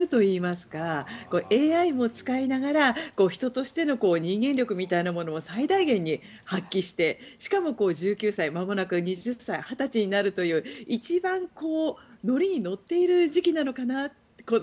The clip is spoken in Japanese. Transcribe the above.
何か今の時代を象徴するといいますかＡＩも使いながら人としての人間力みたいなものも最大限に発揮して、しかも１９歳まもなく２０歳二十歳になるという一番、乗りに乗っている時期なのかなと。